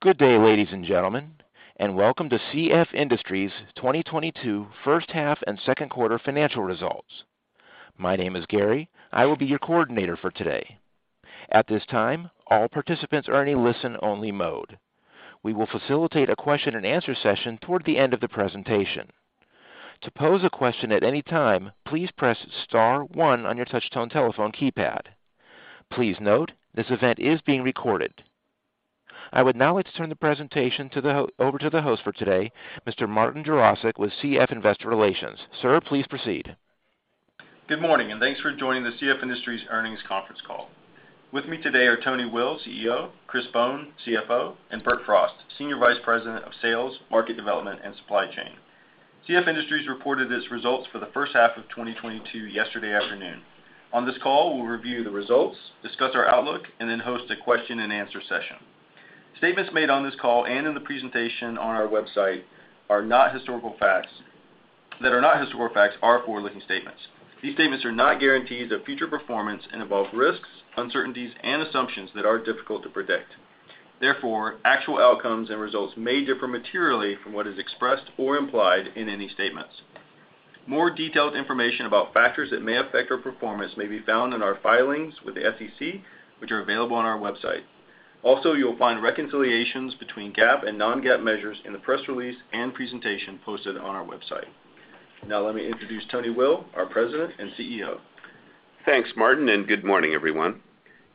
Good day, ladies and gentlemen, and welcome to CF Industries 2022 first half and second quarter financial results. My name is Gary. I will be your coordinator for today. At this time, all participants are in a listen-only mode. We will facilitate a question-and-answer session toward the end of the presentation. To pose a question at any time, please press star one on your touch-tone telephone keypad. Please note, this event is being recorded. I would now like to turn the presentation over to the host for today, Mr. Martin Jarosick with CF Investor Relations. Sir, please proceed. Good morning, and thanks for joining the CF Industries earnings conference call. With me today are Tony Will, CEO; Chris Bohn, CFO; and Bert Frost, Senior Vice President of Sales, Market Development, and Supply Chain. CF Industries reported its results for the first half of 2022 yesterday afternoon. On this call, we'll review the results, discuss our outlook, and then host a question-and-answer session. Statements made on this call and in the presentation on our website that are not historical facts are forward-looking statements. These statements are not guarantees of future performance and involve risks, uncertainties, and assumptions that are difficult to predict. Therefore, actual outcomes and results may differ materially from what is expressed or implied in any statements. More detailed information about factors that may affect our performance may be found in our filings with the SEC, which are available on our website. Also, you'll find reconciliations between GAAP and non-GAAP measures in the press release and presentation posted on our website. Now let me introduce Tony Will, our President and CEO. Thanks, Martin, and good morning, everyone.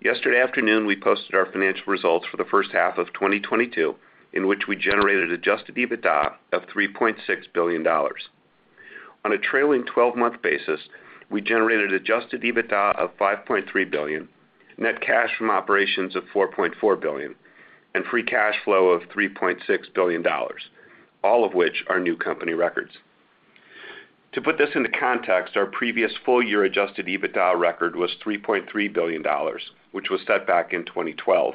Yesterday afternoon, we posted our financial results for the first half of 2022, in which we generated Adjusted EBITDA of $3.6 billion. On a trailing 12-month basis, we generated Adjusted EBITDA of $5.3 billion, net cash from operations of $4.4 billion, and free cash flow of $3.6 billion, all of which are new company records. To put this into context, our previous full year Adjusted EBITDA record was $3.3 billion, which was set back in 2012.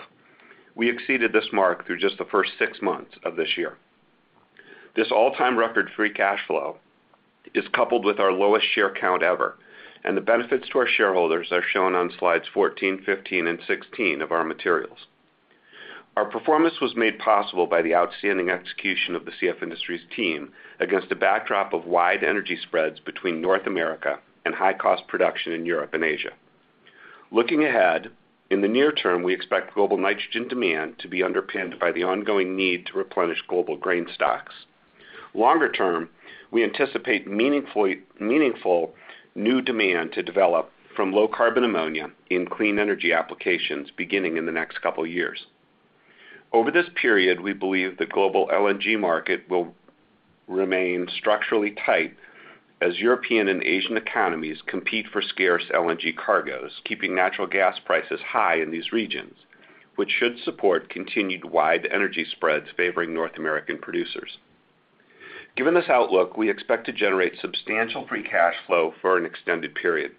We exceeded this mark through just the first six months of this year. This all-time record free cash flow is coupled with our lowest share count ever, and the benefits to our shareholders are shown on slides 14, 15, and 16 of our materials. Our performance was made possible by the outstanding execution of the CF Industries team against a backdrop of wide energy spreads between North America and high cost production in Europe and Asia. Looking ahead, in the near term, we expect global nitrogen demand to be underpinned by the ongoing need to replenish global grain stocks. Longer term, we anticipate meaningful new demand to develop from low-carbon ammonia in clean energy applications beginning in the next couple of years. Over this period, we believe the global LNG market will remain structurally tight as European and Asian economies compete for scarce LNG cargoes, keeping natural gas prices high in these regions, which should support continued wide energy spreads favoring North American producers. Given this outlook, we expect to generate substantial free cash flow for an extended period.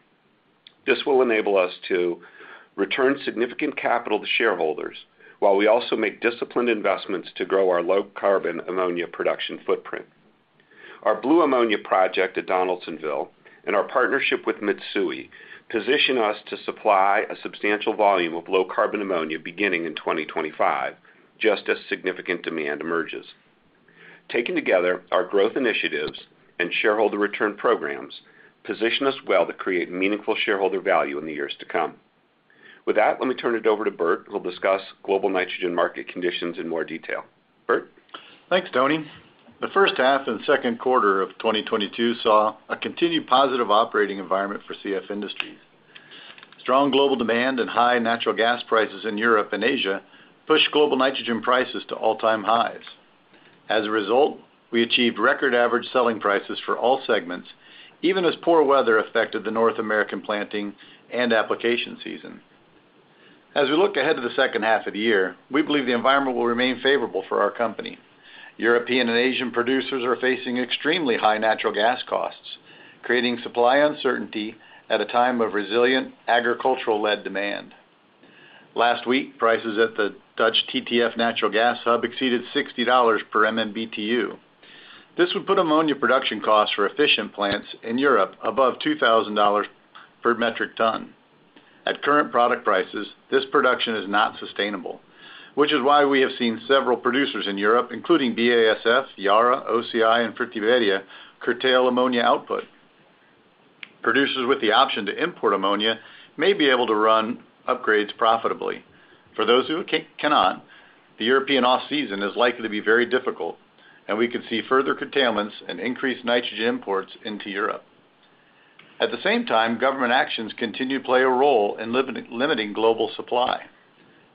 This will enable us to return significant capital to shareholders while we also make disciplined investments to grow our low-carbon ammonia production footprint. Our blue ammonia project at Donaldsonville and our partnership with Mitsui position us to supply a substantial volume of low-carbon ammonia beginning in 2025, just as significant demand emerges. Taken together, our growth initiatives and shareholder return programs position us well to create meaningful shareholder value in the years to come. With that, let me turn it over to Bert, who'll discuss global nitrogen market conditions in more detail. Bert? Thanks, Tony. The first half and second quarter of 2022 saw a continued positive operating environment for CF Industries. Strong global demand and high natural gas prices in Europe and Asia pushed global nitrogen prices to all-time highs. As a result, we achieved record average selling prices for all segments, even as poor weather affected the North American planting and application season. As we look ahead to the second half of the year, we believe the environment will remain favorable for our company. European and Asian producers are facing extremely high natural gas costs, creating supply uncertainty at a time of resilient agricultural-led demand. Last week, prices at the Dutch TTF natural gas hub exceeded $60 per MMBtu. This would put ammonia production costs for efficient plants in Europe above $2,000 per metric ton. At current product prices, this production is not sustainable, which is why we have seen several producers in Europe, including BASF, Yara, OCI, and Fertiberia, curtail ammonia output. Producers with the option to import ammonia may be able to run upgrades profitably. For those who cannot, the European off-season is likely to be very difficult, and we could see further curtailments and increased nitrogen imports into Europe. At the same time, government actions continue to play a role in limiting global supply.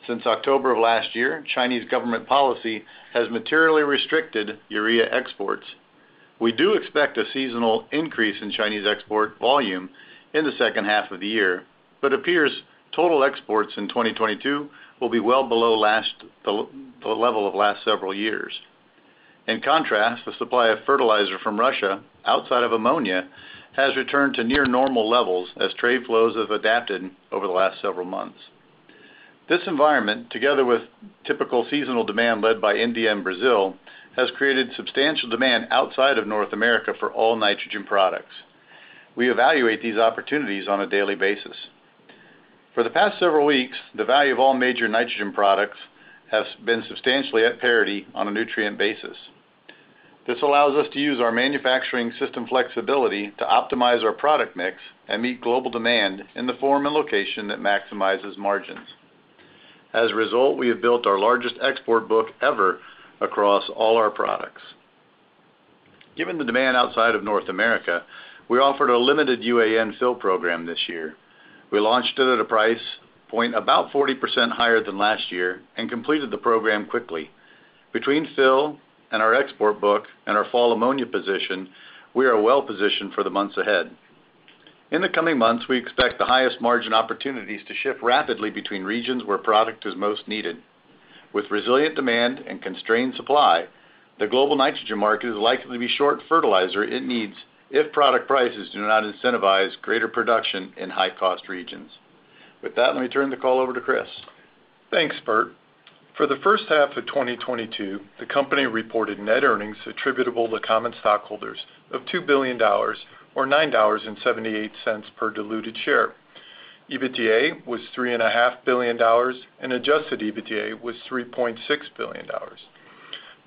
Since October of last year, Chinese government policy has materially restricted urea exports. We do expect a seasonal increase in Chinese export volume in the second half of the year, but appears total exports in 2022 will be well below the level of the last several years. In contrast, the supply of fertilizer from Russia outside of ammonia has returned to near normal levels as trade flows have adapted over the last several months. This environment, together with typical seasonal demand led by India and Brazil, has created substantial demand outside of North America for all nitrogen products. We evaluate these opportunities on a daily basis. For the past several weeks, the value of all major nitrogen products has been substantially at parity on a nutrient basis. This allows us to use our manufacturing system flexibility to optimize our product mix and meet global demand in the form and location that maximizes margins. As a result, we have built our largest export book ever across all our products. Given the demand outside of North America, we offered a limited UAN fill program this year. We launched it at a price point about 40% higher than last year and completed the program quickly. Between fill and our export book and our fall ammonia position, we are well positioned for the months ahead. In the coming months, we expect the highest margin opportunities to shift rapidly between regions where product is most needed. With resilient demand and constrained supply, the global nitrogen market is likely to be short fertilizer it needs if product prices do not incentivize greater production in high-cost regions. With that, let me turn the call over to Chris. Thanks, Bert. For the first half of 2022, the company reported net earnings attributable to common stockholders of $2 billion or $9.78 per diluted share. EBITDA was $3.5 billion and Adjusted EBITDA was $3.6 billion.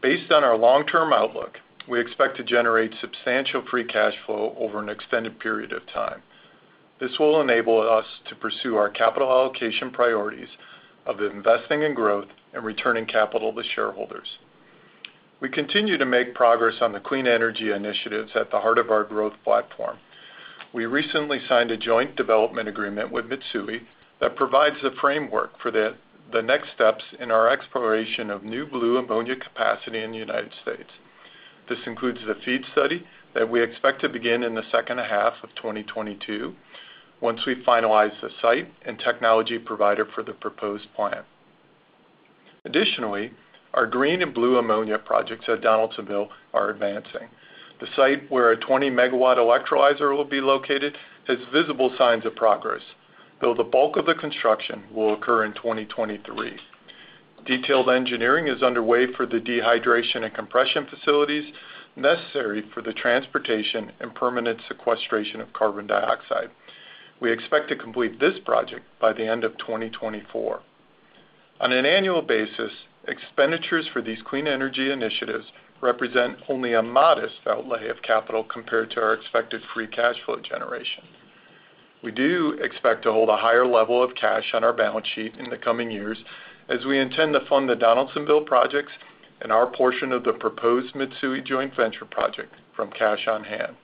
Based on our long-term outlook, we expect to generate substantial free cash flow over an extended period of time. This will enable us to pursue our capital allocation priorities of investing in growth and returning capital to shareholders. We continue to make progress on the clean energy initiatives at the heart of our growth platform. We recently signed a joint development agreement with Mitsui that provides the framework for the next steps in our exploration of new blue ammonia capacity in the United States. This includes the FEED study that we expect to begin in the second half of 2022 once we finalize the site and technology provider for the proposed plant. Additionally, our green and blue ammonia projects at Donaldsonville are advancing. The site where a 20 MW electrolyzer will be located has visible signs of progress, though the bulk of the construction will occur in 2023. Detailed engineering is underway for the dehydration and compression facilities necessary for the transportation and permanent sequestration of carbon dioxide. We expect to complete this project by the end of 2024. On an annual basis, expenditures for these clean energy initiatives represent only a modest outlay of capital compared to our expected free cash flow generation. We do expect to hold a higher level of cash on our balance sheet in the coming years as we intend to fund the Donaldsonville projects and our portion of the proposed Mitsui joint venture project from cash on hand.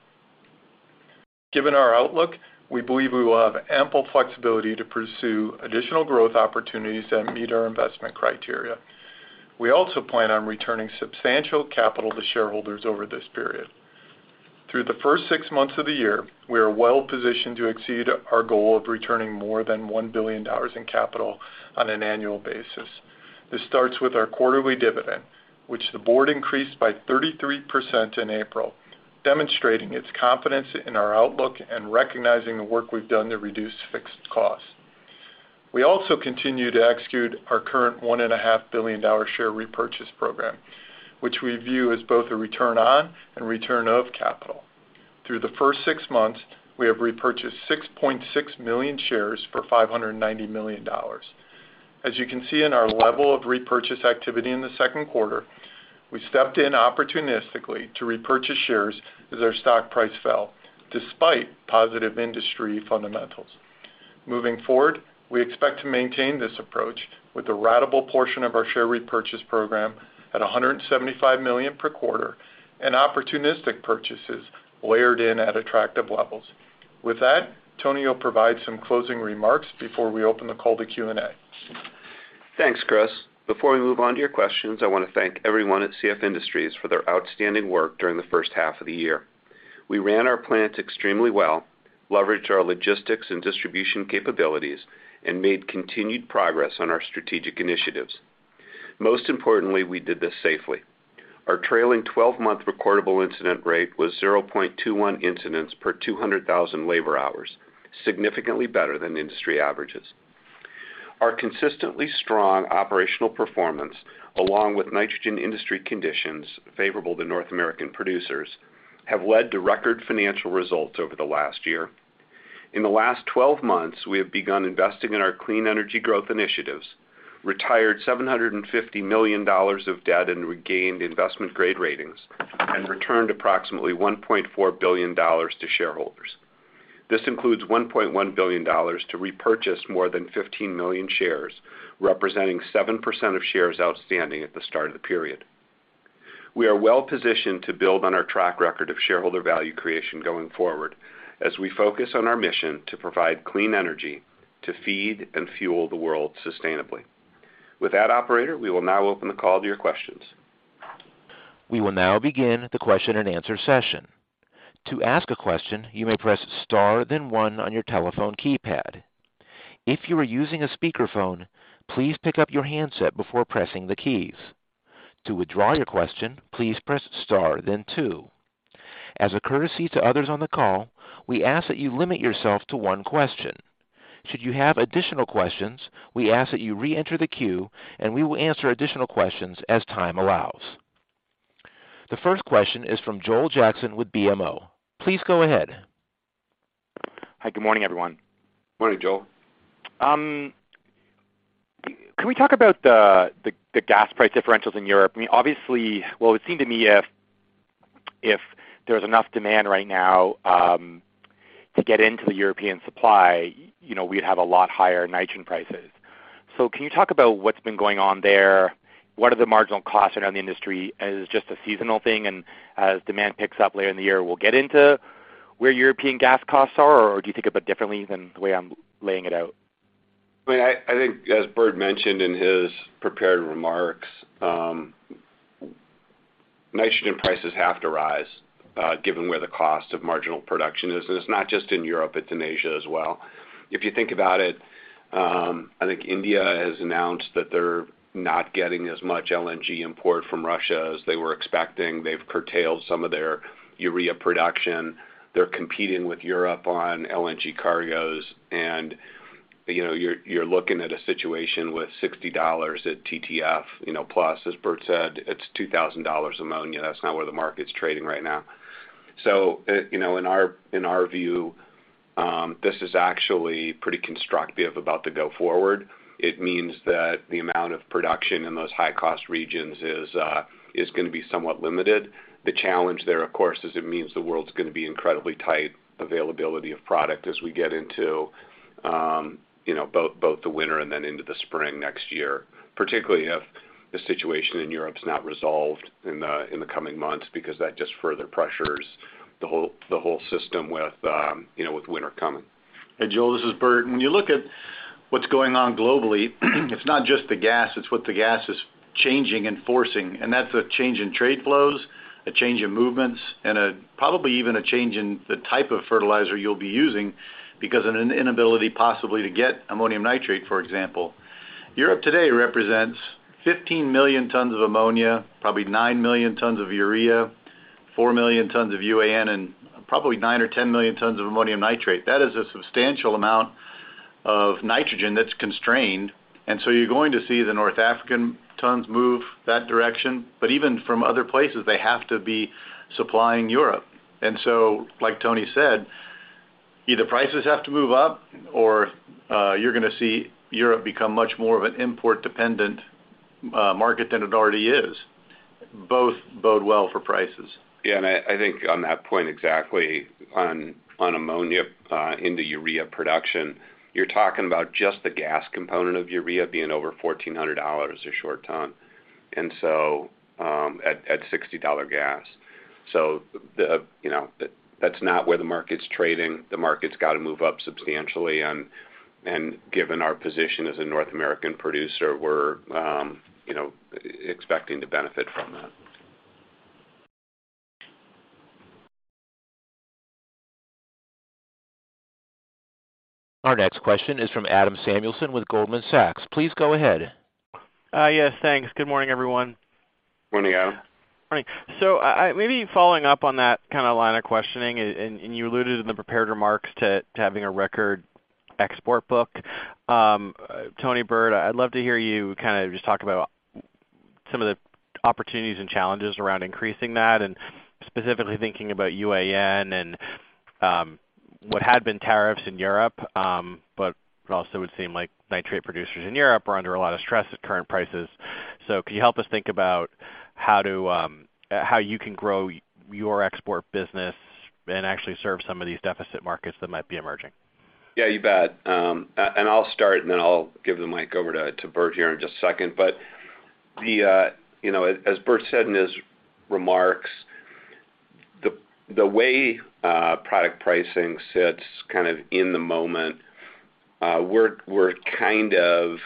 Given our outlook, we believe we will have ample flexibility to pursue additional growth opportunities that meet our investment criteria. We also plan on returning substantial capital to shareholders over this period. Through the first six months of the year, we are well positioned to exceed our goal of returning more than $1 billion in capital on an annual basis. This starts with our quarterly dividend, which the board increased by 33% in April, demonstrating its confidence in our outlook and recognizing the work we've done to reduce fixed costs. We continue to execute our current $1.5 billion share repurchase program, which we view as both a return on and return of capital. Through the first six months, we have repurchased 6.6 million shares for $590 million. As you can see in our level of repurchase activity in the second quarter, we stepped in opportunistically to repurchase shares as our stock price fell despite positive industry fundamentals. Moving forward, we expect to maintain this approach with the ratable portion of our share repurchase program at $175 million per quarter and opportunistic purchases layered in at attractive levels. With that, Tony will provide some closing remarks before we open the call to Q&A. Thanks, Chris. Before we move on to your questions, I want to thank everyone at CF Industries for their outstanding work during the first half of the year. We ran our plants extremely well, leveraged our logistics and distribution capabilities, and made continued progress on our strategic initiatives. Most importantly, we did this safely. Our trailing 12-month recordable incident rate was 0.21 incidents per 200,000 labor hours, significantly better than industry averages. Our consistently strong operational performance, along with nitrogen industry conditions favorable to North American producers, have led to record financial results over the last year. In the last 12 months, we have begun investing in our clean energy growth initiatives, retired $750 million of debt and regained investment grade ratings, and returned approximately $1.4 billion to shareholders. This includes $1.1 billion to repurchase more than 15 million shares, representing 7% of shares outstanding at the start of the period. We are well positioned to build on our track record of shareholder value creation going forward as we focus on our mission to provide clean energy to feed and fuel the world sustainably. With that, operator, we will now open the call to your questions. We will now begin the question and answer session. To ask a question, you may press star then one on your telephone keypad. If you are using a speakerphone, please pick up your handset before pressing the keys. To withdraw your question, please press star then two. As a courtesy to others on the call, we ask that you limit yourself to one question. Should you have additional questions, we ask that you reenter the queue, and we will answer additional questions as time allows. The first question is from Joel Jackson with BMO. Please go ahead. Hi. Good morning, everyone. Morning, Joel. Can we talk about the gas price differentials in Europe? I mean, obviously. Well, it seemed to me if there's enough demand right now to get into the European supply, you know, we'd have a lot higher nitrogen prices. Can you talk about what's been going on there? What are the marginal costs around the industry? Is it just a seasonal thing, and as demand picks up later in the year, we'll get into where European gas costs are? Do you think of it differently than the way I'm laying it out? I think, as Bert mentioned in his prepared remarks, nitrogen prices have to rise, given where the cost of marginal production is. It's not just in Europe, it's in Asia as well. If you think about it, I think India has announced that they're not getting as much LNG import from Russia as they were expecting. They've curtailed some of their urea production. They're competing with Europe on LNG cargoes. You know, you're looking at a situation with $60 at TTF. You know, plus, as Bert said, it's $2,000 ammonia. That's not where the market's trading right now. You know, in our view, this is actually pretty constructive about the going forward. It means that the amount of production in those high-cost regions is gonna be somewhat limited. The challenge there, of course, is it means the world's gonna be incredibly tight availability of product as we get into, you know, both the winter and then into the spring next year, particularly if the situation in Europe is not resolved in the coming months because that just further pressures the whole system with, you know, with winter coming. Hey, Joel, this is Bert. When you look at what's going on globally, it's not just the gas, it's what the gas is changing and forcing. That's a change in trade flows, a change in movements, and probably even a change in the type of fertilizer you'll be using because an inability possibly to get ammonium nitrate, for example. Europe today represents 15 million tons of ammonia, probably 9 million tons of urea, 4 million tons of UAN, and probably 9 million or 10 million tons of ammonium nitrate. That is a substantial amount of nitrogen that's constrained, and so you're going to see the North African tons move that direction. Even from other places, they have to be supplying Europe. Like Tony said, either prices have to move up or you're gonna see Europe become much more of an import-dependent market than it already is. Both bode well for prices. Yeah. I think on that point exactly on ammonia into urea production, you're talking about just the gas component of urea being over $1,400 a short ton, and so at $60 gas. You know, that's not where the market's trading. The market's gotta move up substantially. Given our position as a North American producer, we're you know expecting to benefit from that. Our next question is from Adam Samuelson with Goldman Sachs. Please go ahead. Yes, thanks. Good morning, everyone. Morning, Adam. Morning. Maybe following up on that kind of line of questioning, and you alluded in the prepared remarks to having a record export book. Tony, Bert, I'd love to hear you kind of just talk about some of the opportunities and challenges around increasing that and specifically thinking about UAN and what had been tariffs in Europe. But it also would seem like nitrate producers in Europe are under a lot of stress at current prices. Can you help us think about how you can grow your export business and actually serve some of these deficit markets that might be emerging? Yeah, you bet. I'll start, and then I'll give the mic over to Bert here in just a second. The way product pricing sits kind of in the moment, we're kind of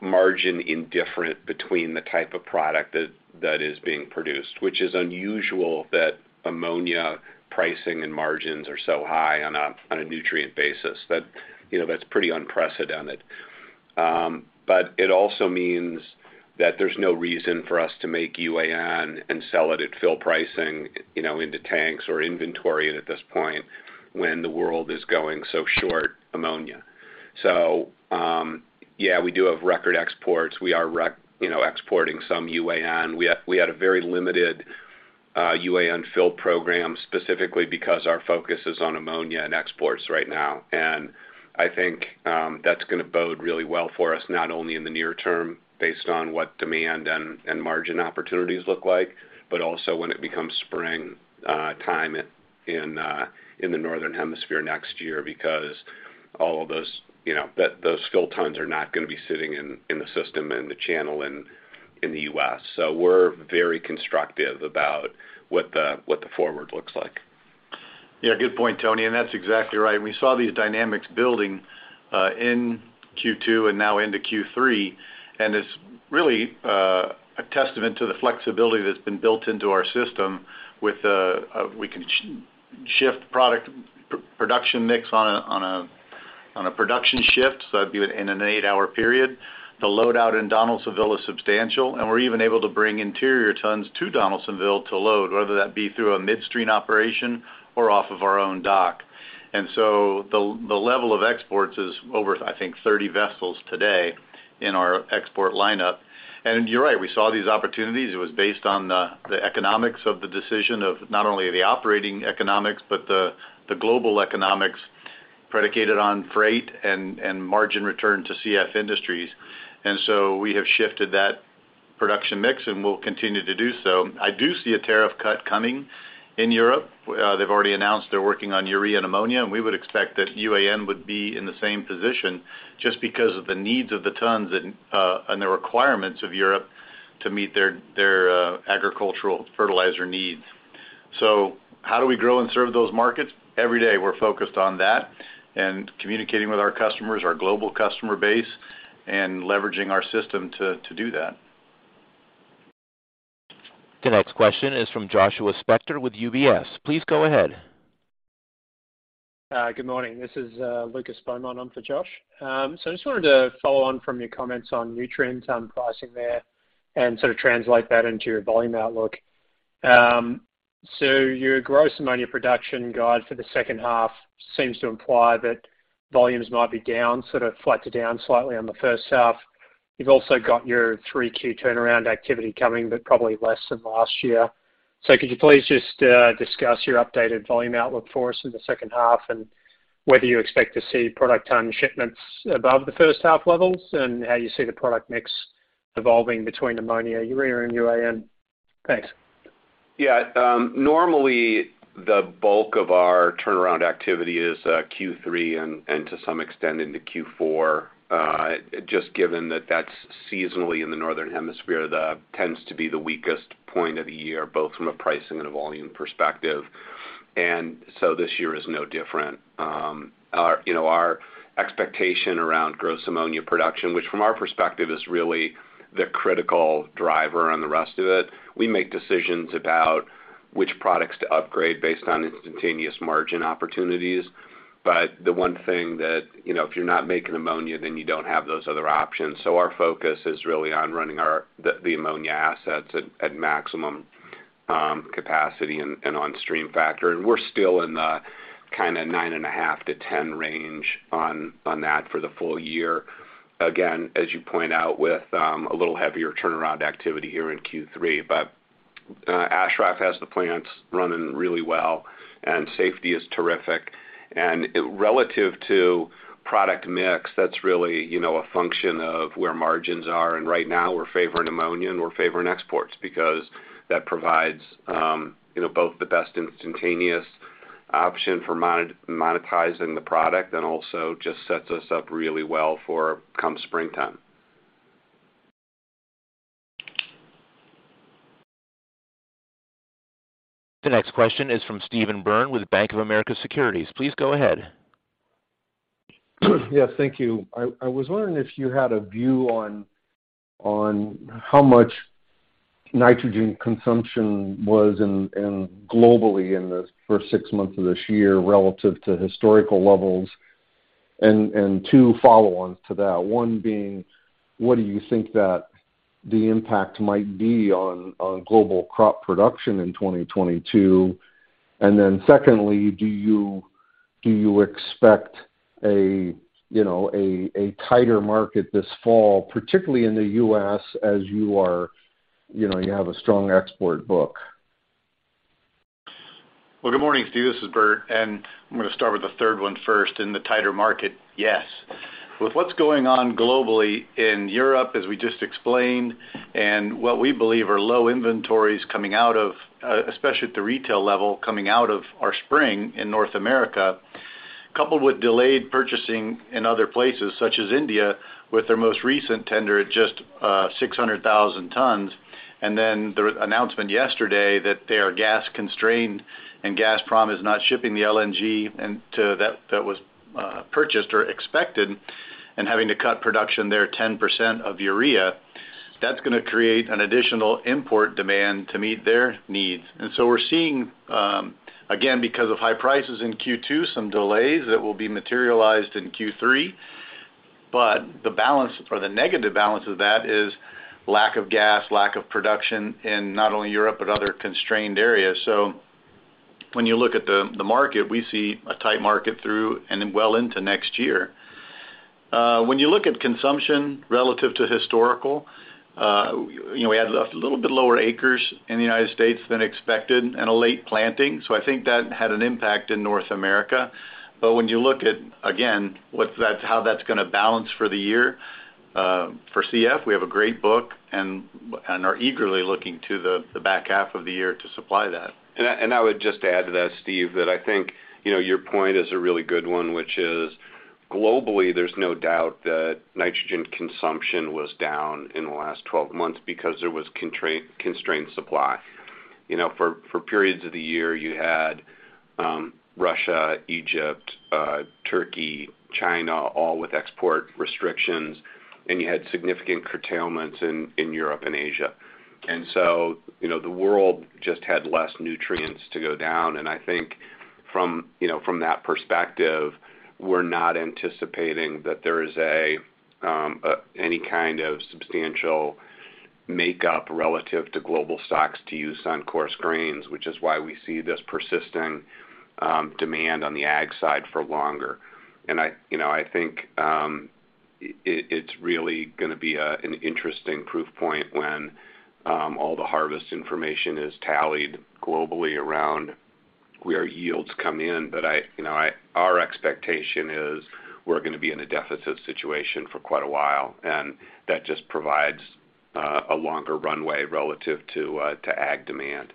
margin indifferent between the type of product that is being produced, which is unusual that ammonia pricing and margins are so high on a nutrient basis. That, you know, that's pretty unprecedented. It also means that there's no reason for us to make UAN and sell it at full pricing, you know, into tanks or inventory at this point when the world is going so short ammonia. Yeah, we do have record exports. We are, you know, exporting some UAN. We had a very limited UAN fill program specifically because our focus is on ammonia and exports right now. I think that's gonna bode really well for us, not only in the near term based on what demand and margin opportunities look like, but also when it becomes springtime in the Northern Hemisphere next year because all of those, you know, those fill tons are not gonna be sitting in the system and the channel in the U.S. We're very constructive about what the forward looks like. Yeah, good point, Tony, and that's exactly right. We saw these dynamics building in Q2 and now into Q3. It's really a testament to the flexibility that's been built into our system with we can shift product production mix on a production shift, so that'd be in an eight-hour period. The load out in Donaldsonville is substantial, and we're even able to bring interior tons to Donaldsonville to load, whether that be through a midstream operation or off of our own dock. So the level of exports is over, I think, 30 vessels today in our export lineup. You're right, we saw these opportunities. It was based on the economics of the decision of not only the operating economics, but the global economics predicated on freight and margin return to CF Industries. We have shifted that production mix and will continue to do so. I do see a tariff cut coming in Europe. They've already announced they're working on urea and ammonia, and we would expect that UAN would be in the same position just because of the needs of the tons and the requirements of Europe to meet their agricultural fertilizer needs. How do we grow and serve those markets? Every day, we're focused on that and communicating with our customers, our global customer base, and leveraging our system to do that. The next question is from Joshua Spector with UBS. Please go ahead. Good morning. This is Lucas Beaumont on for Josh. I just wanted to follow on from your comments on nutrients and pricing there and sort of translate that into your volume outlook. Your gross ammonia production guide for the second half seems to imply that volumes might be down, sort of flat to down slightly on the first half. You've also got your 3Q turnaround activity coming, but probably less than last year. Could you please just discuss your updated volume outlook for us in the second half and whether you expect to see product ton shipments above the first half levels and how you see the product mix evolving between ammonia, urea, and UAN? Thanks. Yeah, normally the bulk of our turnaround activity is Q3 and to some extent into Q4. Just given that that's seasonally in the Northern Hemisphere, tends to be the weakest point of the year, both from a pricing and a volume perspective. This year is no different. Our, you know, our expectation around gross ammonia production, which from our perspective is really the critical driver on the rest of it, we make decisions about which products to upgrade based on instantaneous margin opportunities. But the one thing that, you know, if you're not making ammonia, then you don't have those other options. Our focus is really on running the ammonia assets at maximum capacity and on stream factor. We're still in the kinda 9.5%-10% range on that for the full year. Again, as you point out, with a little heavier turnaround activity here in Q3. Ashraf has the plants running really well, and safety is terrific. Relative to product mix, that's really, you know, a function of where margins are. Right now we're favoring ammonia, and we're favoring exports because that provides both the best instantaneous option for monetizing the product and also just sets us up really well for come springtime. The next question is from Steve Byrne with Bank of America Securities. Please go ahead. Yes, thank you. I was wondering if you had a view on how much nitrogen consumption was globally in the first six months of this year relative to historical levels. Two follow-ons to that, one being what do you think that the impact might be on global crop production in 2022? Then secondly, do you expect a you know a tighter market this fall, particularly in the U.S. as you are you know you have a strong export book? Well, good morning, Steve. This is Bert, and I'm gonna start with the third one first in the tighter market. Yes. With what's going on globally in Europe, as we just explained, and what we believe are low inventories coming out of, especially at the retail level, coming out of our spring in North America, coupled with delayed purchasing in other places such as India with their most recent tender at just, 600,000 tons. Then the announcement yesterday that they are gas constrained and Gazprom is not shipping the LNG that was purchased or expected and having to cut production there 10% of urea, that's gonna create an additional import demand to meet their needs. We're seeing, again, because of high prices in Q2, some delays that will be materialized in Q3. The balance or the negative balance of that is lack of gas, lack of production in not only Europe, but other constrained areas. When you look at the market, we see a tight market through and then well into next year. When you look at consumption relative to historical, you know, we had a little bit lower acres in the United States than expected and a late planting. I think that had an impact in North America. When you look at, again, how that's gonna balance for the year, for CF, we have a great book and are eagerly looking to the back half of the year to supply that. I would just add to that, Steve, that I think, you know, your point is a really good one, which is globally, there's no doubt that nitrogen consumption was down in the last 12 months because there was constrained supply. You know, for periods of the year, you had Russia, Egypt, Turkey, China, all with export restrictions, and you had significant curtailments in Europe and Asia. You know, the world just had less nutrients to go around. I think from that perspective, we're not anticipating that there is any kind of substantial makeup relative to global stocks to use on coarse grains, which is why we see this persistent demand on the ag side for longer. I, you know, I think it's really gonna be an interesting proof point when all the harvest information is tallied globally around where yields come in. I, you know, our expectation is we're gonna be in a deficit situation for quite a while, and that just provides a longer runway relative to ag demand.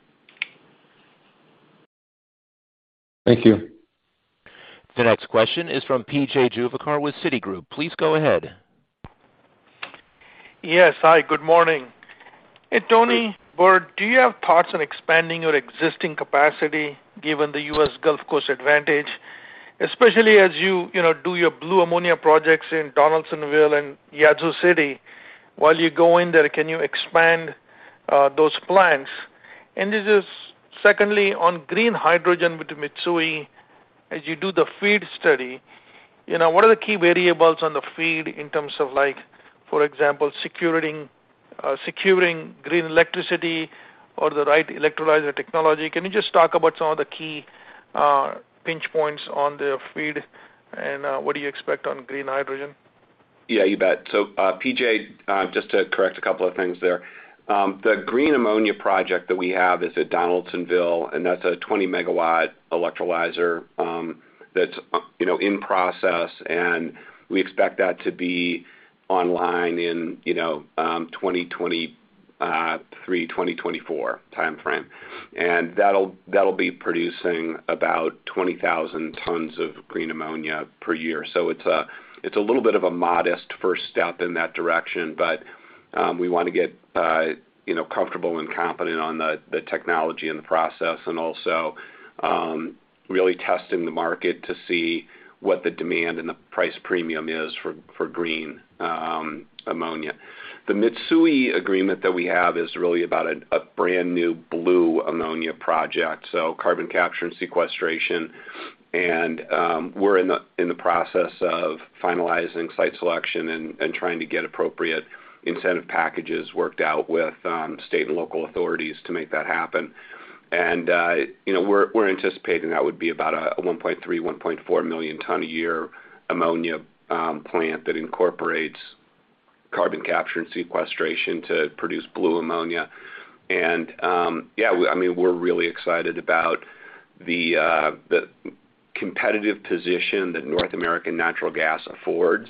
Thank you. The next question is from P.J. Juvekar with Citigroup. Please go ahead. Yes. Hi, good morning. Hey, Tony, Bert, do you have thoughts on expanding your existing capacity given the U.S. Gulf Coast advantage? Especially as you know, do your blue ammonia projects in Donaldsonville and Yazoo City. While you go in there, can you expand those plans? This is secondly on green hydrogen with Mitsui. As you do the FEED study, you know, what are the key variables on the FEED in terms of like, for example, securing green electricity or the right electrolyzer technology? Can you just talk about some of the key pinch points on the FEED and what do you expect on green hydrogen? Yeah, you bet. P.J., just to correct a couple of things there. The green ammonia project that we have is at Donaldsonville, and that's a 20 MW electrolyzer, that's, you know, in process, and we expect that to be online in, you know, 2023-2024 timeframe. That'll be producing about 20,000 tons of green ammonia per year. It's a little bit of a modest first step in that direction, but we wanna get, you know, comfortable and competent on the technology and the process, and also, really testing the market to see what the demand and the price premium is for green ammonia. The Mitsui agreement that we have is really about a brand-new blue ammonia project, so carbon capture and sequestration. We're in the process of finalizing site selection and trying to get appropriate incentive packages worked out with state and local authorities to make that happen. You know, we're anticipating that would be about a 1.3 million, 1.4 million ton a year ammonia plant that incorporates carbon capture and sequestration to produce blue ammonia. Yeah, I mean, we're really excited about the competitive position that North American natural gas affords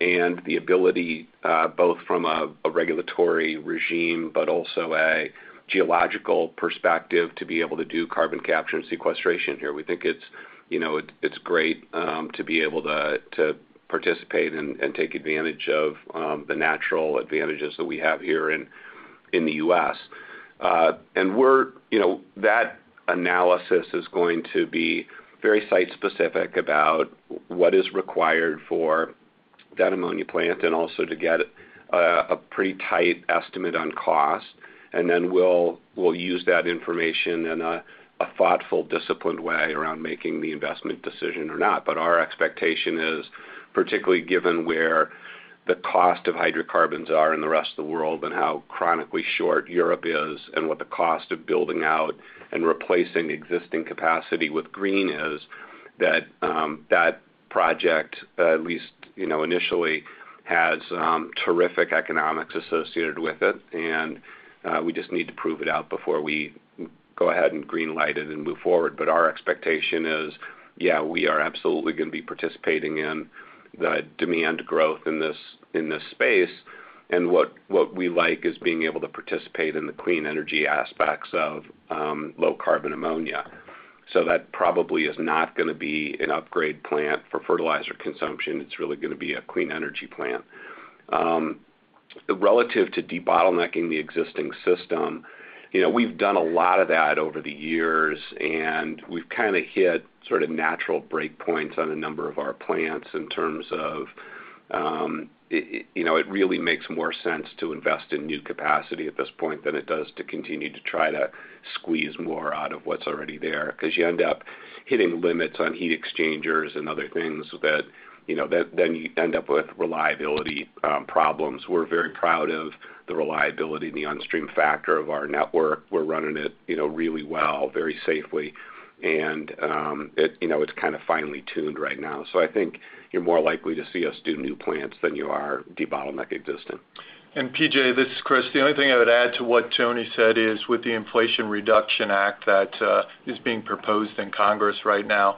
and the ability both from a regulatory regime, but also a geological perspective to be able to do carbon capture and sequestration here. We think it's you know, it's great to be able to participate and take advantage of the natural advantages that we have here in the U.S. You know, that analysis is going to be very site-specific about what is required for that ammonia plant and also to get a pretty tight estimate on cost. Then we'll use that information in a thoughtful, disciplined way around making the investment decision or not. Our expectation is, particularly given where the cost of hydrocarbons are in the rest of the world and how chronically short Europe is and what the cost of building out and replacing existing capacity with green is, that project, at least, you know, initially has terrific economics associated with it. We just need to prove it out before we go ahead and green-light it and move forward. Our expectation is, yeah, we are absolutely gonna be participating in the demand growth in this space. What we like is being able to participate in the clean energy aspects of low carbon ammonia. That probably is not gonna be an upgrade plant for fertilizer consumption. It's really gonna be a clean energy plant. Relative to debottlenecking the existing system, you know, we've done a lot of that over the years, and we've kinda hit sort of natural breakpoints on a number of our plants in terms of it, you know, it really makes more sense to invest in new capacity at this point than it does to continue to try to squeeze more out of what's already there 'cause you end up hitting limits on heat exchangers and other things that, you know, then you end up with reliability problems. We're very proud of the reliability and the on-stream factor of our network. We're running it, you know, really well, very safely. It's kinda finely tuned right now. I think you're more likely to see us do new plants than you are debottleneck existing. P.J., this is Chris. The only thing I would add to what Tony said is with the Inflation Reduction Act that is being proposed in Congress right now,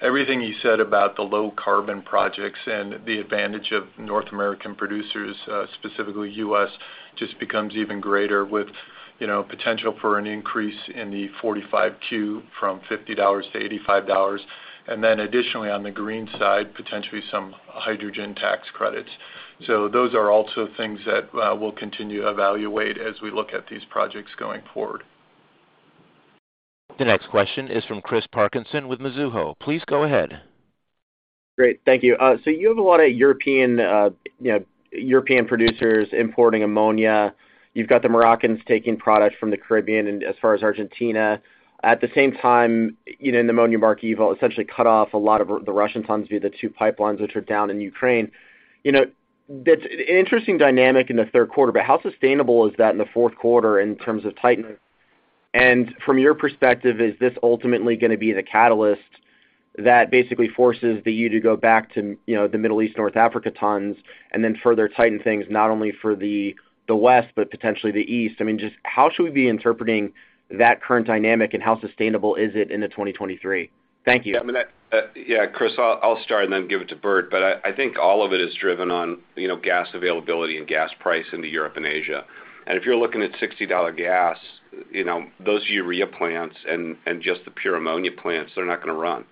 everything he said about the low carbon projects and the advantage of North American producers, specifically U.S., just becomes even greater with, you know, potential for an increase in the 45Q from $50-$85. Additionally on the green side, potentially some hydrogen tax credits. Those are also things that we'll continue to evaluate as we look at these projects going forward. The next question is from Chris Parkinson with Mizuho. Please go ahead. Great. Thank you. You have a lot of European producers importing ammonia. You've got the Moroccans taking product from the Caribbean and as far as Argentina. At the same time, in ammonia market, you've essentially cut off a lot of the Russian tons via the two pipelines which are down in Ukraine. That's an interesting dynamic in the third quarter, but how sustainable is that in the fourth quarter in terms of tightening? From your perspective, is this ultimately gonna be the catalyst that basically forces the EU to go back to, you know, the Middle East, North Africa tons, and then further tighten things not only for the West but potentially the East? I mean, just how should we be interpreting that current dynamic and how sustainable is it into 2023? Thank you. Yeah. I mean, Chris, I'll start and then give it to Bert. I think all of it is driven on, you know, gas availability and gas price into Europe and Asia. If you're looking at $60 gas, you know, those urea plants and just the pure ammonia plants, they're not gonna run.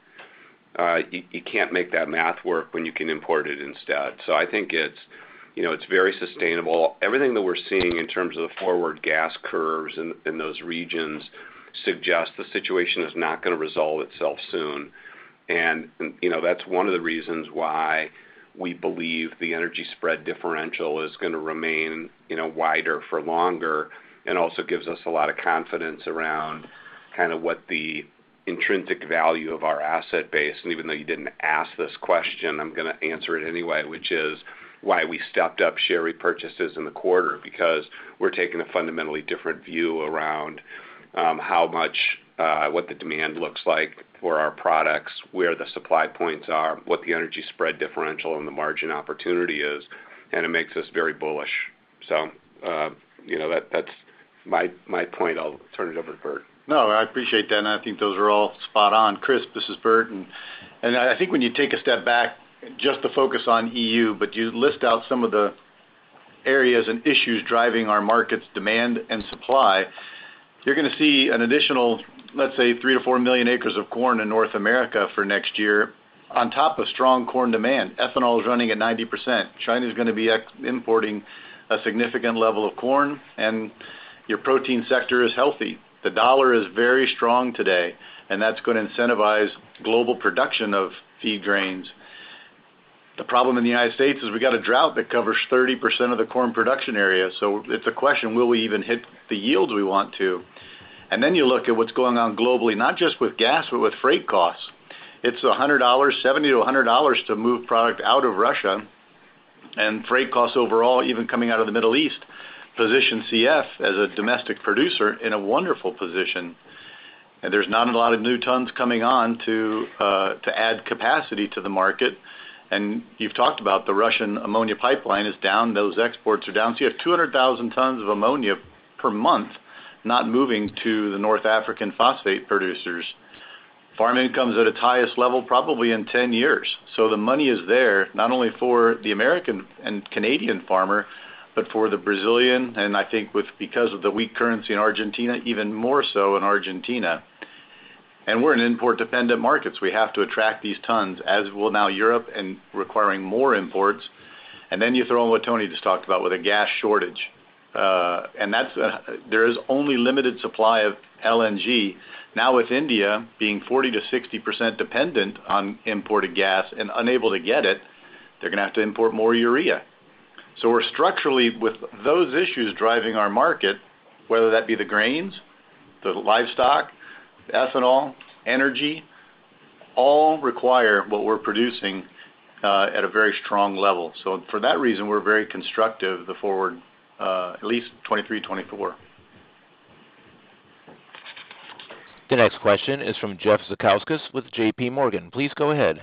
You can't make that math work when you can import it instead. I think it's, you know, it's very sustainable. Everything that we're seeing in terms of the forward gas curves in those regions suggest the situation is not gonna resolve itself soon. You know, that's one of the reasons why we believe the energy spread differential is gonna remain, you know, wider for longer and also gives us a lot of confidence around kinda what the intrinsic value of our asset base. Even though you didn't ask this question, I'm gonna answer it anyway, which is why we stepped up share repurchases in the quarter because we're taking a fundamentally different view around how much what the demand looks like for our products, where the supply points are, what the energy spread differential and the margin opportunity is, and it makes us very bullish. You know, that's my point. I'll turn it over to Bert. No, I appreciate that, and I think those are all spot on. Chris, this is Bert. I think when you take a step back just to focus on EU, but you list out some of the areas and issues driving our markets' demand and supply, you're gonna see an additional, let's say, 3 million-4 million acres of corn in North America for next year on top of strong corn demand. Ethanol is running at 90%. China's gonna be importing a significant level of corn, and your protein sector is healthy. The dollar is very strong today, and that's gonna incentivize global production of feed grains. The problem in the United States is we got a drought that covers 30% of the corn production area, so it's a question, will we even hit the yields we want to? You look at what's going on globally, not just with gas but with freight costs. It's $70-$100 to move product out of Russia. Freight costs overall, even coming out of the Middle East, position CF as a domestic producer in a wonderful position. There's not a lot of new tons coming on to add capacity to the market. You've talked about the Russian ammonia pipeline is down. Those exports are down. You have 200,000 tons of ammonia per month not moving to the North African phosphate producers. Farm income's at its highest level probably in 10 years. The money is there, not only for the American and Canadian farmer, but for the Brazilian, and I think because of the weak currency in Argentina, even more so in Argentina. We're in import-dependent markets. We have to attract these tons as well now Europe requiring more imports. You throw in what Tony just talked about with a gas shortage. There is only limited supply of LNG. Now, with India being 40%-60% dependent on imported gas and unable to get it, they're gonna have to import more urea. We're structurally, with those issues driving our market, whether that be the grains, the livestock, ethanol, energy, all require what we're producing at a very strong level. For that reason, we're very constructive the forward at least 2023, 2024. The next question is from Jeff Zekauskas with JPMorgan. Please go ahead.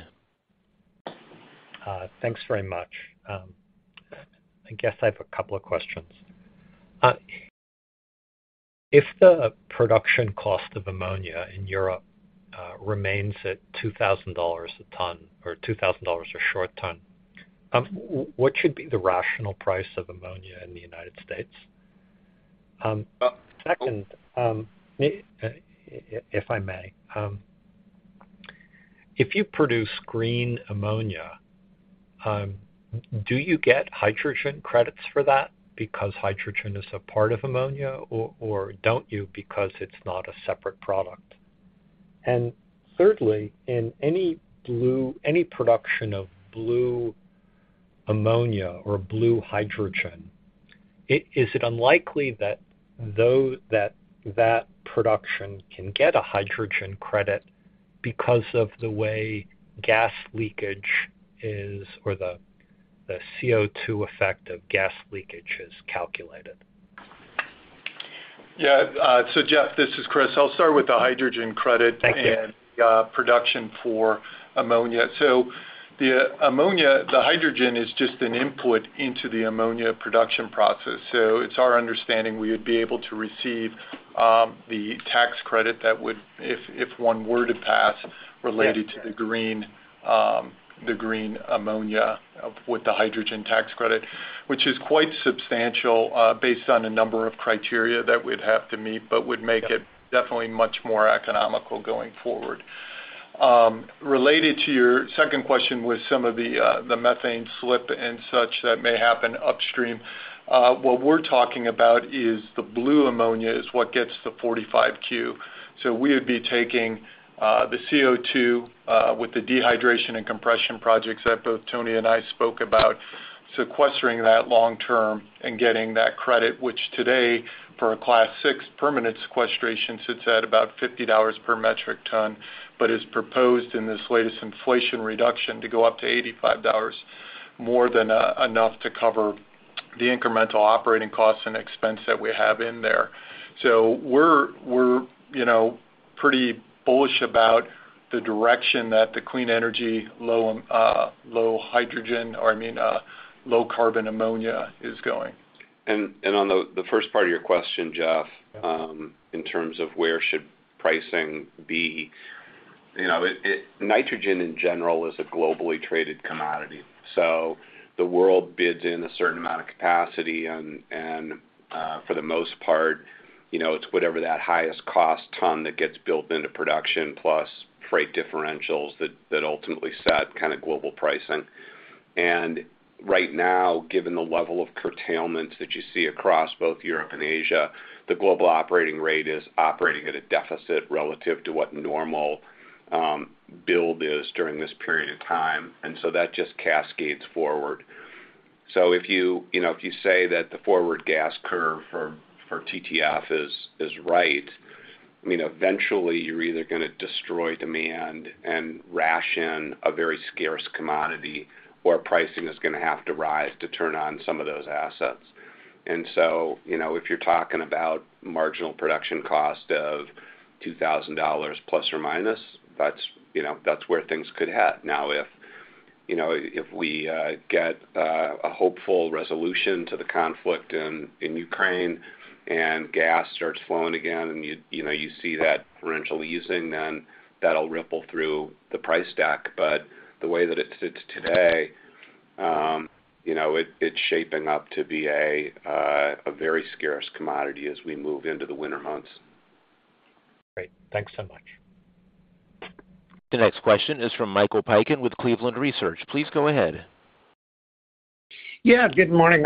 Thanks very much. I guess I have a couple of questions. If the production cost of ammonia in Europe remains at $2,000 a ton or $2,000 a short ton, what should be the rational price of ammonia in the United States? Second, if I may, if you produce green ammonia, do you get hydrogen credits for that because hydrogen is a part of ammonia, or don't you because it's not a separate product? Thirdly, in any production of blue ammonia or blue hydrogen, is it unlikely that that production can get a hydrogen credit because of the way gas leakage is or the CO2 effect of gas leakage is calculated? Yeah. Jeff, this is Chris. I'll start with the hydrogen credit. Thank you. Production for ammonia. The ammonia, the hydrogen is just an input into the ammonia production process. It's our understanding we would be able to receive the tax credit that would, if one were to pass related to the green ammonia with the hydrogen tax credit, which is quite substantial, based on a number of criteria that we'd have to meet but would make it definitely much more economical going forward. Related to your second question with some of the methane slip and such that may happen upstream, what we're talking about is the blue ammonia is what gets the 45Q. We would be taking the CO2 with the dehydration and compression projects that both Tony and I spoke about, sequestering that long term and getting that credit, which today for a Class VI permanent sequestration sits at about $50 per metric ton but is proposed in this latest inflation reduction to go up to $85, more than enough to cover the incremental operating costs and expense that we have in there. We're, you know, pretty bullish about the direction that the clean energy low hydrogen or, I mean, low carbon ammonia is going. On the first part of your question, Jeff, in terms of where should pricing be? You know, nitrogen in general is a globally traded commodity. The world bids in a certain amount of capacity and for the most part, you know, it's whatever that highest cost ton that gets built into production plus freight differentials that ultimately set kinda global pricing. Right now, given the level of curtailment that you see across both Europe and Asia, the global operating rate is operating at a deficit relative to what normal build is during this period in time. That just cascades forward. If you know, if you say that the forward gas curve for TTF is right, I mean, eventually you're either gonna destroy demand and ration a very scarce commodity, or pricing is gonna have to rise to turn on some of those assets. You know, if you're talking about marginal production cost of $2,000±, that's, you know, that's where things could head. Now, if you know, if we get a hopeful resolution to the conflict in Ukraine and gas starts flowing again and you know, you see that differential easing, then that'll ripple through the price stack. The way that it sits today, you know, it's shaping up to be a very scarce commodity as we move into the winter months. Great. Thanks so much. The next question is from Michael Piken with Cleveland Research. Please go ahead. Yeah, good morning.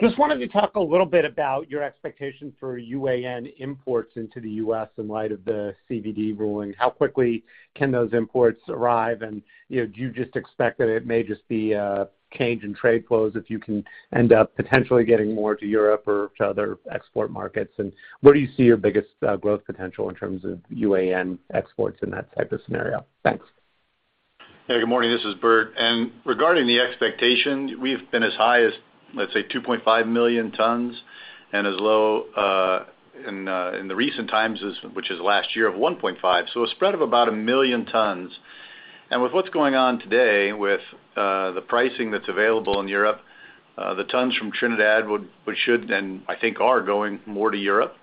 Just wanted to talk a little bit about your expectations for UAN imports into the U.S. in light of the CVD ruling. How quickly can those imports arrive? And, you know, do you just expect that it may just be a change in trade flows if you can end up potentially getting more to Europe or to other export markets? And where do you see your biggest growth potential in terms of UAN exports in that type of scenario? Thanks. Yeah. Good morning. This is Bert. Regarding the expectation, we've been as high as, let's say, 2.5 million tons and as low in recent times as, which is last year, of 1.5. A spread of about 1 million tons. With what's going on today with the pricing that's available in Europe, the tons from Trinidad we should and I think are going more to Europe,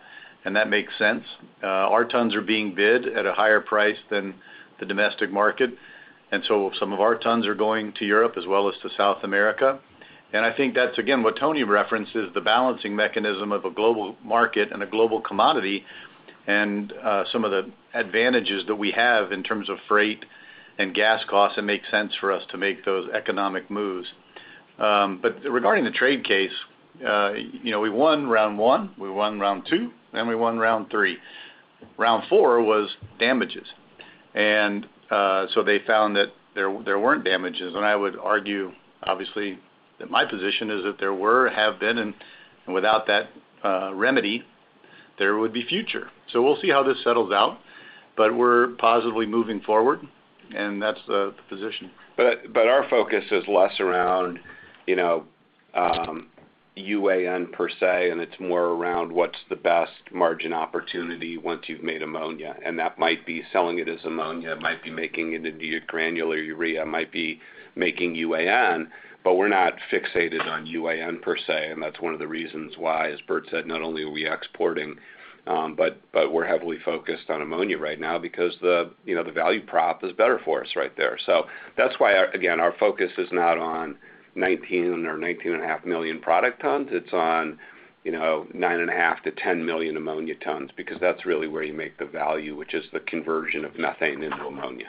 and that makes sense. Our tons are being bid at a higher price than the domestic market. Some of our tons are going to Europe as well as to South America. I think that's again what Tony references, the balancing mechanism of a global market and a global commodity and some of the advantages that we have in terms of freight and gas costs that make sense for us to make those economic moves. Regarding the trade case, you know, we won round one, we won round two, then we won round three. Round four was damages. They found that there weren't damages. I would argue, obviously, that my position is that there were, have been, and without that remedy, there would be future. We'll see how this settles out, but we're positively moving forward, and that's the position. Our focus is less around, you know, UAN per se, and it's more around what's the best margin opportunity once you've made ammonia. That might be selling it as ammonia, it might be making it into granular urea, it might be making UAN, but we're not fixated on UAN per se. That's one of the reasons why, as Bert said, not only are we exporting, but we're heavily focused on ammonia right now because the, you know, the value prop is better for us right there. That's why, again, our focus is not on 19 million or 19.5 million product tons, it's on, you know, 9.5 million-10 million ammonia tons because that's really where you make the value, which is the conversion of methane into ammonia.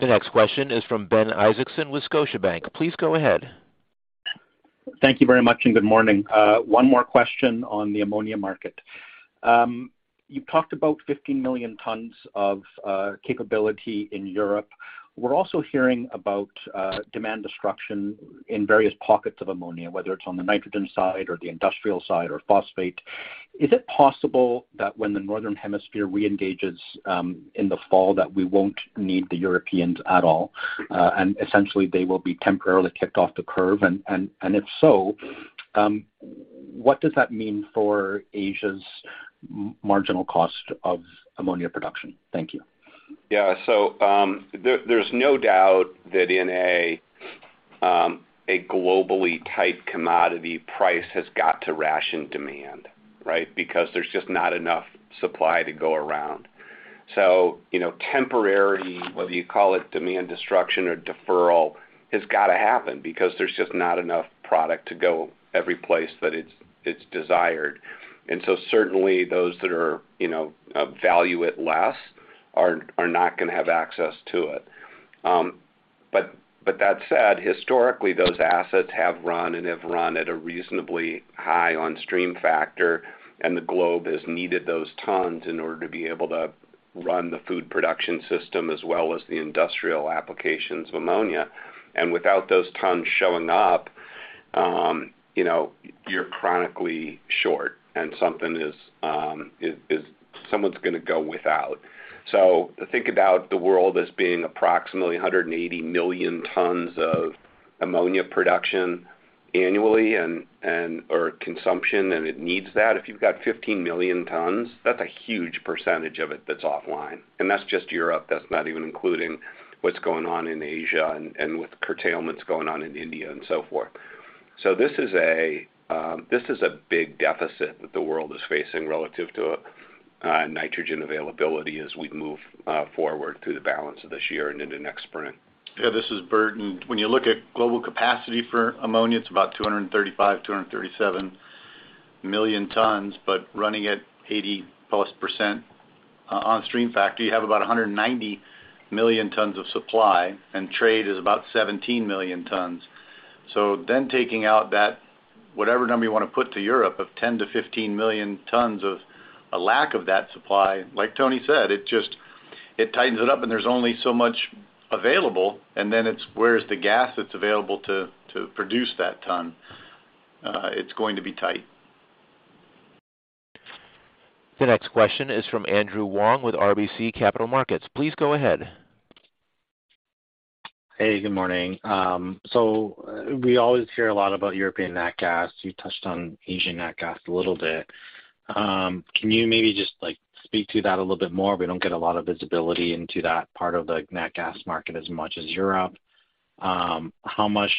The next question is from Ben Isaacson with Scotiabank. Please go ahead. Thank you very much, and good morning. One more question on the ammonia market. You talked about 15 million tons of capability in Europe. We're also hearing about demand destruction in various pockets of ammonia, whether it's on the nitrogen side or the industrial side or phosphate. Is it possible that when the Northern Hemisphere reengages in the fall, that we won't need the Europeans at all, and essentially they will be temporarily kicked off the curve? If so, what does that mean for Asia's marginal cost of ammonia production? Thank you. Yeah. There's no doubt that in a globally tight commodity price has got to ration demand, right? Because there's just not enough supply to go around. You know, temporary, whether you call it demand destruction or deferral, has gotta happen because there's just not enough product to go every place that it's desired. Certainly those that are, you know, value it less are not gonna have access to it. That said, historically those assets have run at a reasonably high on stream factor, and the globe has needed those tons in order to be able to run the food production system as well as the industrial applications of ammonia. Without those tons showing up, you know, you're chronically short, and something is someone's gonna go without. To think about the world as being approximately 180 million tons of ammonia production annually or consumption, and it needs that. If you've got 15 million tons, that's a huge percentage of it that's offline, and that's just Europe. That's not even including what's going on in Asia and with curtailments going on in India and so forth. This is a big deficit that the world is facing relative to nitrogen availability as we move forward through the balance of this year and into next spring. Yeah, this is Bert. When you look at global capacity for ammonia, it's about 235 million-237 million tons, but running at 80%+, on stream factor, you have about 190 million tons of supply, and trade is about 17 million tons. Taking out that whatever number you wanna put to Europe of 10-15 million tons of a lack of that supply, like Tony said, it just, it tightens it up, and there's only so much available, and then it's where's the gas that's available to produce that ton? It's going to be tight. The next question is from Andrew Wong with RBC Capital Markets. Please go ahead. Hey, good morning. We always hear a lot about European nat gas. You touched on Asian nat gas a little bit. Can you maybe just, like, speak to that a little bit more? We don't get a lot of visibility into that part of the nat gas market as much as Europe. How much,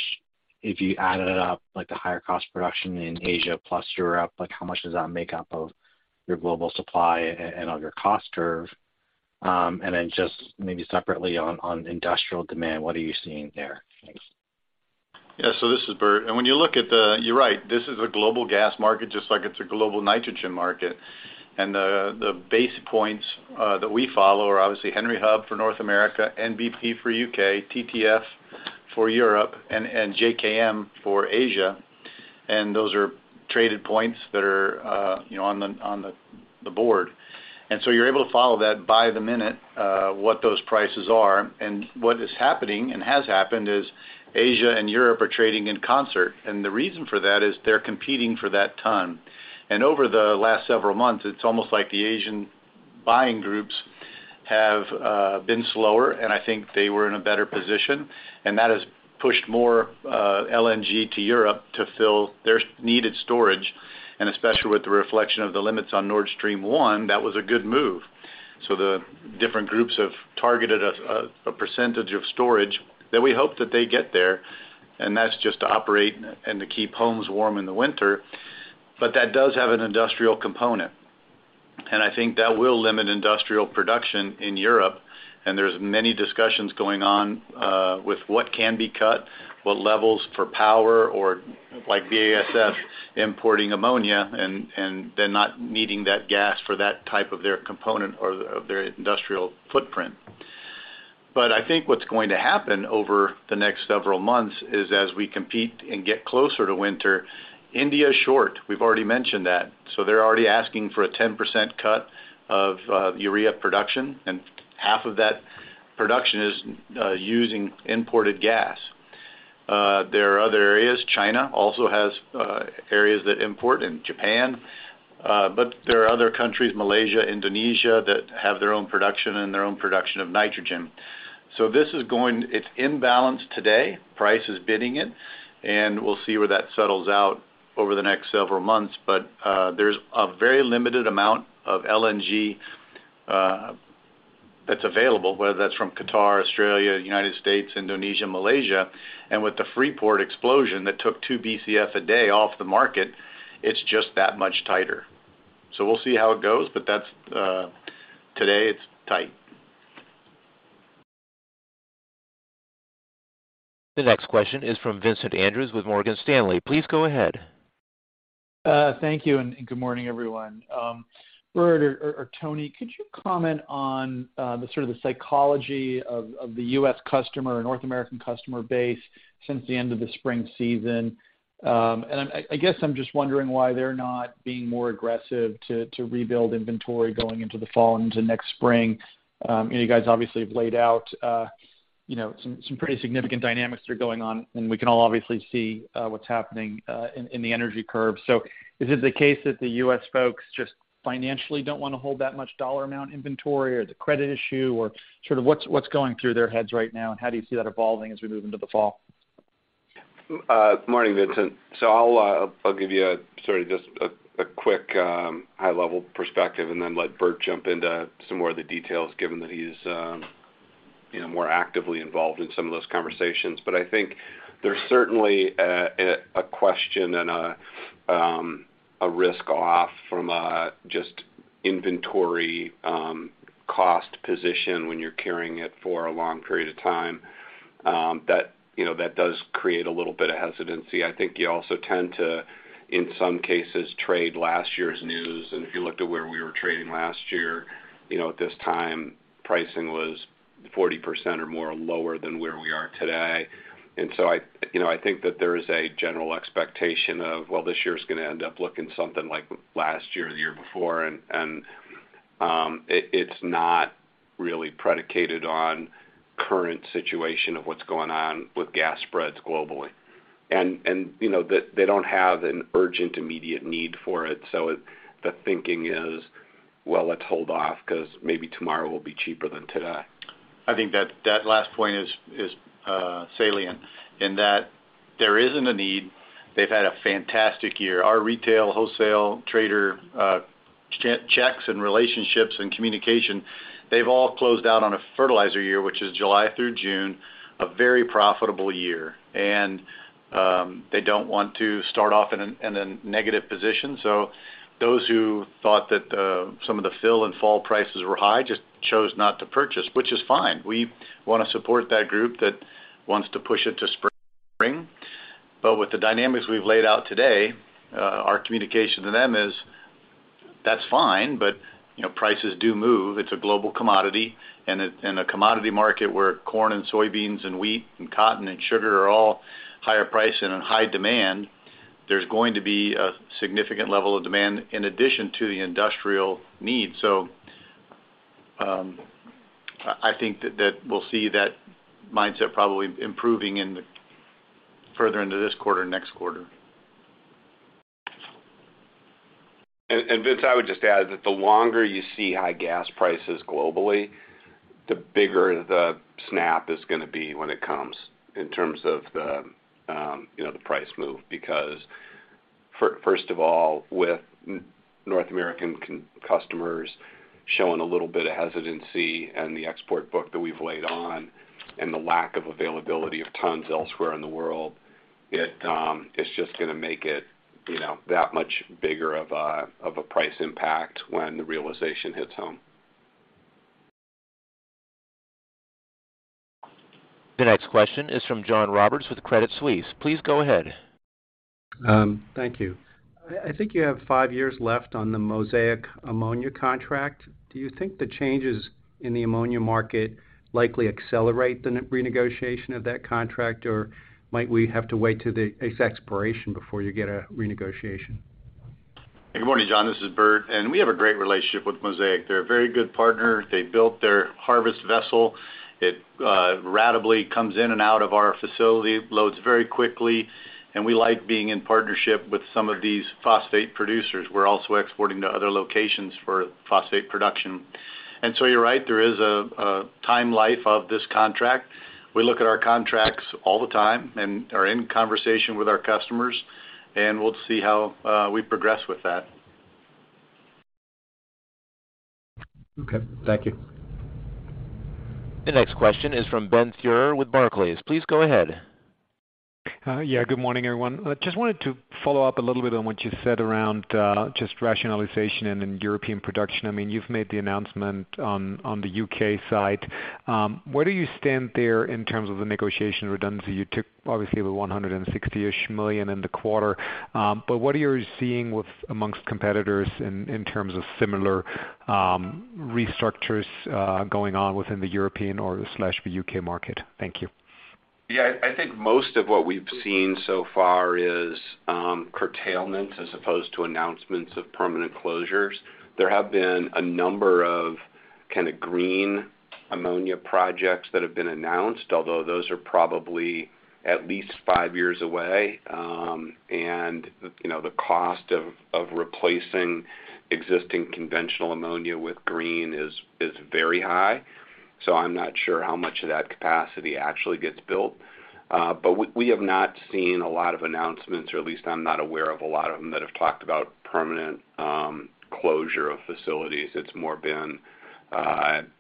if you added it up, like the higher cost production in Asia plus Europe, like how much does that make up of your global supply and on your cost curve? And then just maybe separately on industrial demand, what are you seeing there? Thanks. Yeah. This is Bert. When you look at, you're right. This is a global gas market just like it's a global nitrogen market. The base points that we follow are obviously Henry Hub for North America, NBP for U.K., TTF for Europe, and JKM for Asia. Those are traded points that are, you know, on the board. You're able to follow that by the minute, what those prices are. What is happening and has happened is Asia and Europe are trading in concert, and the reason for that is they're competing for that ton. Over the last several months, it's almost like the Asian buying groups have been slower, and I think they were in a better position, and that has pushed more LNG to Europe to fill their needed storage. Especially with the reflection of the limits on Nord Stream 1, that was a good move. The different groups have targeted a percentage of storage that we hope that they get there, and that's just to operate and to keep homes warm in the winter. That does have an industrial component, and I think that will limit industrial production in Europe. There's many discussions going on with what can be cut, what levels for power or like BASF importing ammonia, and they're not needing that gas for that type of their component or of their industrial footprint. I think what's going to happen over the next several months is as we compete and get closer to winter, India is short. We've already mentioned that. They're already asking for a 10% cut of urea production, and half of that production is using imported gas. There are other areas. China also has areas that import and Japan. There are other countries, Malaysia, Indonesia, that have their own production and their own production of nitrogen. It's imbalanced today. Price is bidding it, and we'll see where that settles out over the next several months. There's a very limited amount of LNG that's available, whether that's from Qatar, Australia, United States, Indonesia, Malaysia. With the Freeport explosion that took two BcF a day off the market, it's just that much tighter. We'll see how it goes, but that's today it's tight. The next question is from Vincent Andrews with Morgan Stanley. Please go ahead. Thank you, and good morning, everyone. Bert or Tony, could you comment on the sort of psychology of the U.S. customer or North American customer base since the end of the spring season? I guess I'm just wondering why they're not being more aggressive to rebuild inventory going into the fall and into next spring. You know, you guys obviously have laid out you know, some pretty significant dynamics that are going on, and we can all obviously see what's happening in the energy curve. Is it the case that the U.S. folks just financially don't wanna hold that much dollar amount inventory, or the credit issue or sort of what's going through their heads right now? How do you see that evolving as we move into the fall? Good morning, Vincent. I'll give you a sort of just a quick high-level perspective and then let Bert jump into some more of the details given that he's you know more actively involved in some of those conversations. I think there's certainly a question and a risk offset from an adjusted inventory cost position when you're carrying it for a long period of time that you know that does create a little bit of hesitancy. I think you also tend to in some cases trade last year's news. If you looked at where we were trading last year you know at this time pricing was 40% or more lower than where we are today. I, you know, I think that there is a general expectation of, well, this year's gonna end up looking something like last year or the year before. It's not really predicated on Current situation of what's going on with gas spreads globally. You know, they don't have an urgent, immediate need for it, so the thinking is, "Well, let's hold off 'cause maybe tomorrow will be cheaper than today. I think that last point is salient in that there isn't a need. They've had a fantastic year. Our retail, wholesale traders' checks and relationships and communication, they've all closed out on a fertilizer year, which is July through June, a very profitable year. They don't want to start off in a negative position. Those who thought that some of the fill-and-fall prices were high just chose not to purchase, which is fine. We wanna support that group that wants to push it to spring. With the dynamics we've laid out today, our communication to them is, "That's fine, but you know, prices do move. It's a global commodity, and a commodity market where corn and soybeans and wheat and cotton and sugar are all higher priced and in high demand, there's going to be a significant level of demand in addition to the industrial needs." I think that we'll see that mindset probably improving further into this quarter, next quarter. Vince, I would just add that the longer you see high gas prices globally, the bigger the snap is gonna be when it comes in terms of the price move. Because first of all, with North American customers showing a little bit of hesitancy and the export book that we've laid on and the lack of availability of tons elsewhere in the world, it is just gonna make it that much bigger of a price impact when the realization hits home. The next question is from John Roberts with Credit Suisse. Please go ahead. Thank you. I think you have five years left on the Mosaic ammonia contract. Do you think the changes in the ammonia market likely accelerate the renegotiation of that contract, or might we have to wait 'til its expiration before you get a renegotiation? Good morning, John, this is Bert. We have a great relationship with Mosaic. They're a very good partner. They built their harvest vessel. It ratably comes in and out of our facility, loads very quickly, and we like being in partnership with some of these phosphate producers. We're also exporting to other locations for phosphate production. You're right, there is a timeline of this contract. We look at our contracts all the time and are in conversation with our customers, and we'll see how we progress with that. Okay. Thank you. The next question is from Ben Theurer with Barclays. Please go ahead. Yeah, good morning, everyone. I just wanted to follow up a little bit on what you said around just rationalization and in European production. I mean, you've made the announcement on the UK side. Where do you stand there in terms of the negotiations on redundancy? You took obviously the $160 million in the quarter, but what are you seeing amongst competitors in terms of similar restructurings going on within the European or the UK market? Thank you. Yeah. I think most of what we've seen so far is curtailment as opposed to announcements of permanent closures. There have been a number of kinda green ammonia projects that have been announced, although those are probably at least five years away. You know, the cost of replacing existing conventional ammonia with green is very high. I'm not sure how much of that capacity actually gets built. We have not seen a lot of announcements, or at least I'm not aware of a lot of them that have talked about permanent closure of facilities. It's more been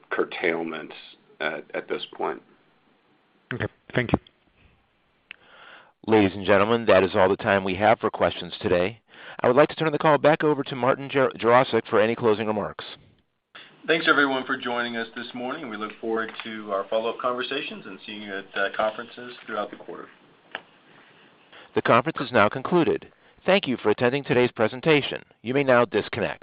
curtailment at this point. Okay. Thank you. Ladies and gentlemen, that is all the time we have for questions today. I would like to turn the call back over to Martin Jarosick for any closing remarks. Thanks everyone for joining us this morning. We look forward to our follow-up conversations and seeing you at conferences throughout the quarter. The conference is now concluded. Thank you for attending today's presentation. You may now disconnect.